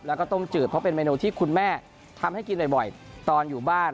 แล้วก็ต้มจืดเพราะเป็นเมนูที่คุณแม่ทำให้กินบ่อยตอนอยู่บ้าน